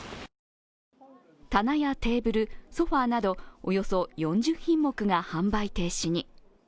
棚やテーブル、ソファーなどおよそ４０品目が販売停止に。